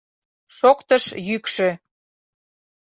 — Шоктыш йӱкшӧ.